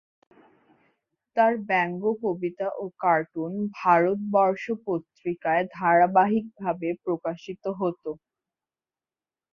তার ব্যঙ্গ কবিতা ও কার্টুন 'ভারতবর্ষ' পত্রিকায় ধারাবাহিকভাবে প্রকাশিত হত।